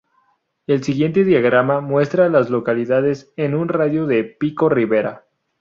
El siguiente diagrama muestra a las localidades en un radio de de Pico Rivera.